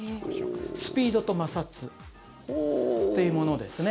スピードと摩擦というものですね。